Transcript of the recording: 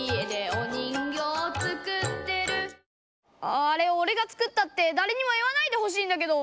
あああれおれが作ったってだれにも言わないでほしいんだけど。